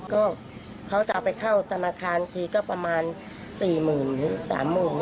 ก็เขาจะเอาไปเข้าธนาคารทีก็ประมาณ๔หมื่นหรือ๓หมื่น